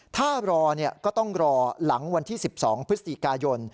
ถ้ารอก็ต้องรอหลังวันที่๑๒พฤศจิกายน